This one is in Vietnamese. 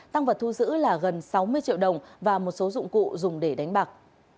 tăng vật thu giữ là gần sáu mươi triệu đồng và một số dụng cụ dùng để đánh bạc